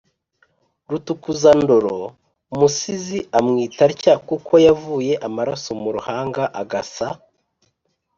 rutukuzandoro: umusizi amwita atya kuko yavuye amaraso mu ruhanga agasa